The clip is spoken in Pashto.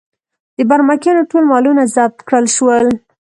د برمکیانو ټول مالونه ضبط کړل شول.